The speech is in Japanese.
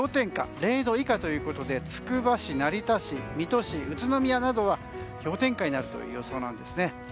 ０度以下ということでつくば市、成田市、水戸市宇都宮などは氷点下になるという予想なんですね。